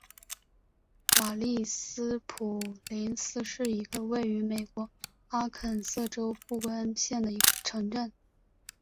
瓦利斯普林斯是一个位于美国阿肯色州布恩县的城镇。